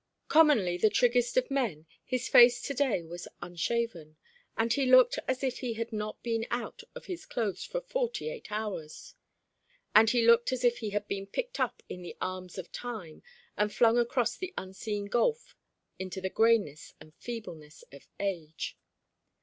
Commonly the triggest of men, his face to day was unshaven, and he looked as if he had not been out of his clothes for forty eight hours. And he looked as if he had been picked up in the arms of Time, and flung across the unseen gulf into the greyness and feebleness of age.